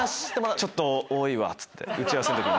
ちょっと多いわっつって打ち合わせの時に。